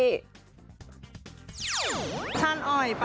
แคปชั่นอ่อยป่ะ